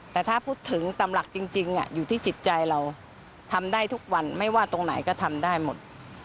แต่ถ้าพูดถึงตามหลักจริงอยู่ที่จิตใจเราทำได้ทุกวันไม่ว่าตรงไหนก็ทำได้หมด